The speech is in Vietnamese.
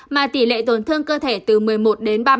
mà tỷ lệ tổn thương cơ thể từ một mươi một đến ba mươi